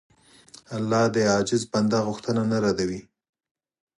الله د عاجز بنده غوښتنه نه ردوي.